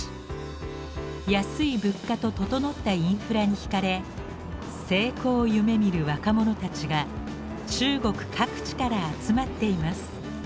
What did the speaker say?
安い物価と整ったインフラにひかれ成功を夢みる若者たちが中国各地から集まっています。